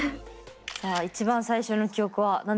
さあ一番最初の記憶は何ですか？